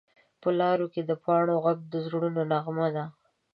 په لارو کې د پاڼو غږ د زړونو نغمه ده